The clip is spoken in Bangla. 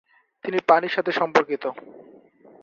তিনি পানির সাথে সম্পর্কিত।